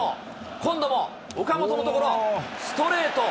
今度も岡本のところ、ストレート。